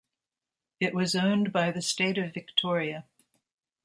It was owned by the State of Victoria.